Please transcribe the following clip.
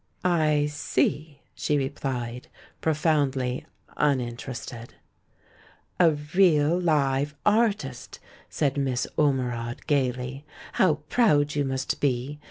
"I see," she replied, profoundly uninterested. "A real live artist!" said INIiss Ormerod, gaily. "How proud you must be!